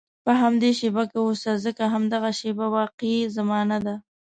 په همدې شېبه کې اوسه، ځکه همدا شېبه واقعي زمانه ده.